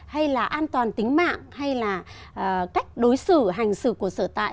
hay là an toàn tính mạng hay là cách đối xử hành xử của sở tại